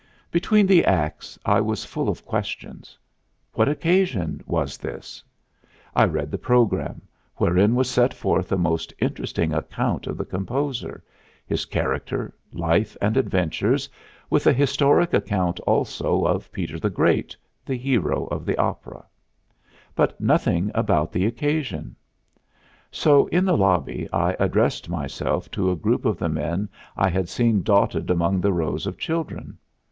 Between the acts I was full of questions. What occasion was this? I read the program, wherein was set forth a most interesting account of the composer his character, life and adventures, with a historic account also of Peter the Great, the hero of the opera; but nothing about the occasion. So in the lobby I addressed myself to a group of the men I had seen dotted among the rows of children.